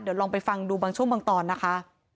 เดี๋ยวลองไปฟังดูบางช่วงบางตอนนะคะ